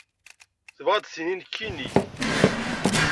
Tebɣa ad d-tini nekkni?